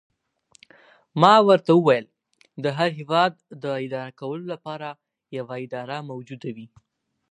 ما ورته وویل: د هر هیواد اداره کولو لپاره یوه اداره موجوده وي.